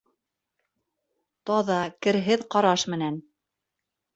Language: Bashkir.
Таҙа, керһеҙ ҡараш менән!